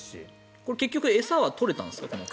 これは結局、餌は取れたんですか？